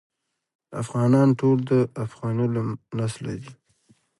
افغانان ټول د افغنه له نسله دي.